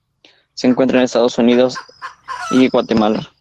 Se encuentra en Estados Unidos y Guatemala.